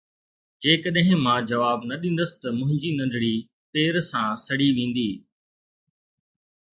جيڪڏهن مان جواب نه ڏيندس ته منهنجي ننڍڙي پير سان سڙي ويندي.